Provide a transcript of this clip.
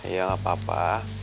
ya enggak apa apa